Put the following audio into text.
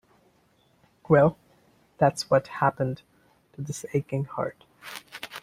Well, that's what happened to this aching heart.